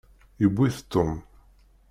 Yewwi-t Tom.